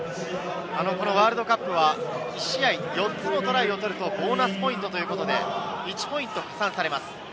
このワールドカップは１試合４つのトライを取るとボーナスポイントということで、１ポイント加算されます。